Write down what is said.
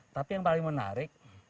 tapi yang paling menarik